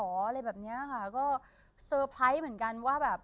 อะไรแบบเนี้ยค่ะก็เซอร์ไพรส์เหมือนกันว่าแบบ